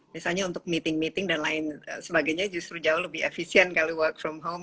misalnya untuk meeting meeting dan lain sebagainya justru jauh lebih efisien kalau work from home